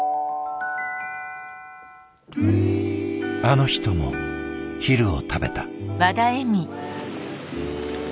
あの人も昼を食べた。